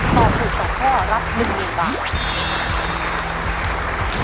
ตอบถูก๒ข้อรับ๑๐๐๐บาท